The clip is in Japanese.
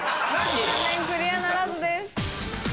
残念クリアならずです。